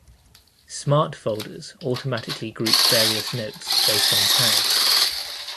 Smart Folders automatically group various notes based on tags.